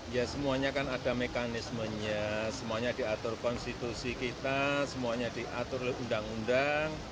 ya semuanya kan ada mekanismenya semuanya diatur konstitusi kita semuanya diatur oleh undang undang